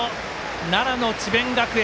奈良の智弁学園